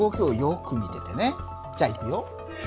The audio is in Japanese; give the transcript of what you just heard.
じゃあいくよ。